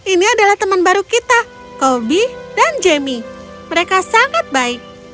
ini adalah teman baru kita kobi dan jemmy mereka sangat baik